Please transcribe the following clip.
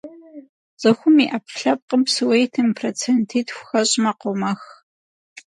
Цӏыхум и ӏэпкълъэпкъым псыуэ итым и процентитху хэщӏмэ къомэх.